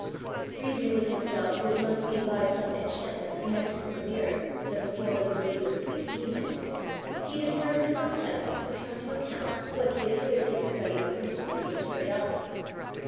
Reasoning with himself, that it must be by some enchantment connected with the mirror, that the form of the lady was to be seen in it, he determined to attempt to turn to account what he had hitherto studied principally from curiosity.